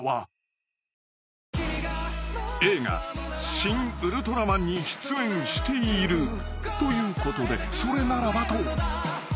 ［映画『シン・ウルトラマン』に出演しているということでそれならばと］